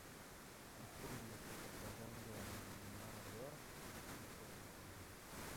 Mfugo uliokufa kwa ugonjwa wa majimoyo huwa na povu kooni